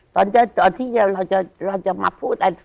ตอนที่เราจะมาพูด